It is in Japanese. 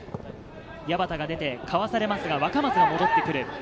矢端が出て、かわされますが、若松が戻ってくる。